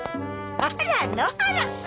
あら野原さん。